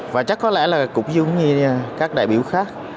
và chắc có lẽ là cũng giống như các đại biểu khác